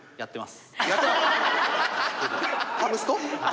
ハムスト？